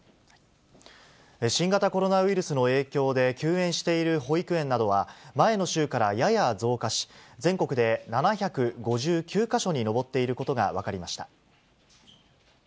新型コロナウイルスの影響で休園している保育園などは、前の週からやや増加し、全国で７５９か所に上っていることが分かりました。